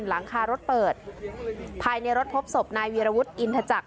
หลังคารถเปิดภายในรถพบศพนายวีรวุฒิอินทจักร